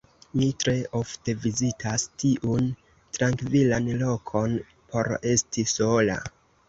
Mi tre ofte vizitas tiun trankvilan lokon por esti sola.